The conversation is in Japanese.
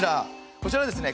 こちらですね